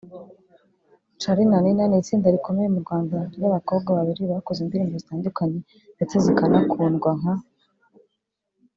Charly na Nina ni itsinda rikomeye mu Rwanda ry’abakobwa babiri bakoze indirimbo zitandukanye ndetse zikanakundwa nka